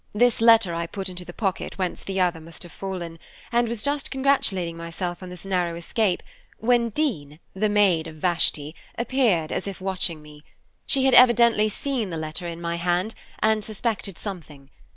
This letter I put into the pocket whence the other must have fallen, and was just congratulating myself on this narrow escape, when Dean, the maid of Vashti, appeared as if watching me. She had evidently seen the letter in my hand, and suspected something.